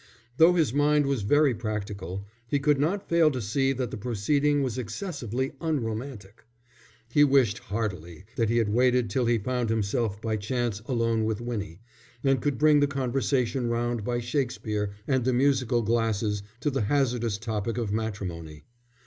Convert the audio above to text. Though his mind was very practical, he could not fail to see that the proceeding was excessively unromantic. He wished heartily that he had waited till he found himself by chance alone with Winnie, and could bring the conversation round by Shakespeare and the Musical Glasses to the hazardous topic of matrimony.